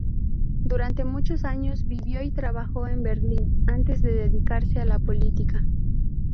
Durante muchos años vivió y trabajó en Berlín antes de dedicarse a la política.